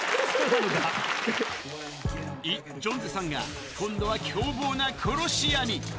イ・ジョンジェさんが今度は凶暴な殺し屋に。